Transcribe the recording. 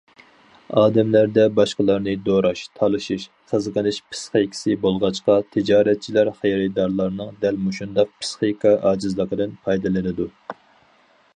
ئادەملەردە باشقىلارنى دوراش، تالىشىش، قىزغىنىش پىسخىكىسى بولغاچقا، تىجارەتچىلەر خېرىدارلارنىڭ دەل مۇشۇنداق پىسخىكا ئاجىزلىقىدىن پايدىلىنىدۇ.